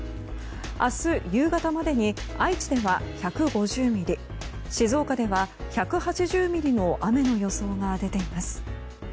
明日夕方までに愛知では１５０ミリ静岡では１８０ミリの雨の予想が出ています。